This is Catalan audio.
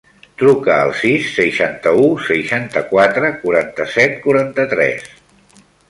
Truca al sis, seixanta-u, seixanta-quatre, quaranta-set, quaranta-tres.